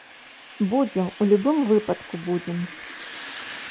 Будзем, у любым выпадку будзем.